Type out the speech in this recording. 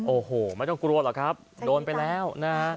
โอ้โหไม่ต้องกลัวหรอกครับโดนไปแล้วนะฮะ